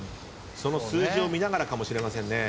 その数字を見ながらかもしれませんね。